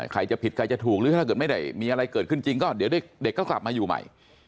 ใครจะผิดใครจะถูกหรือถ้าเกิดไม่ได้มีอะไรเกิดขึ้นจริงก็เดี๋ยวเด็กก็กลับมาอยู่ใหม่